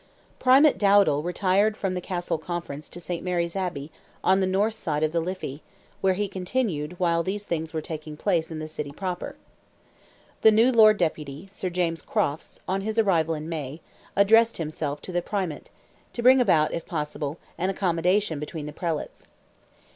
Primate Dowdal retired from the Castle Conference to Saint Mary's Abbey, on the north side of the Liffey, where he continued while these things were taking place in the city proper. The new Lord Deputy, Sir James Crofts, on his arrival in May, addressed himself to the Primate, to bring about, if possible, an accommodation between the Prelates.